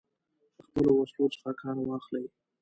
له خپلو وسلو څخه کار واخلي.